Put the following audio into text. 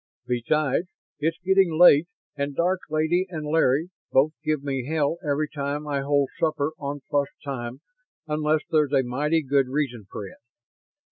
Besides, it's getting late and Dark Lady and Larry both give me hell every time I hold supper on plus time unless there's a mighty good reason for it.